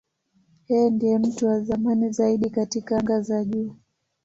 Yeye ndiye mtu wa zamani zaidi katika anga za juu.